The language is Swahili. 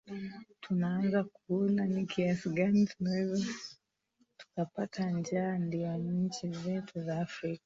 tunaanza kuona ni kiasi gani tunaweza tukapata njaa ndio nchi zetu za afrika